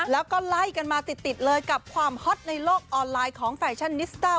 แล้วก็ไล่กันมาติดเลยกับความฮอตในโลกออนไลน์ของแฟชั่นนิสต้า